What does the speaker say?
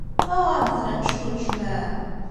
Ad aɣ-ɛemmden ad nečč deg unejmaɛ?